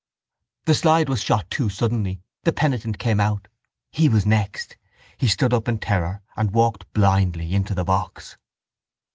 The slide was shot to suddenly. The penitent came out. He was next. He stood up in terror and walked blindly into the box.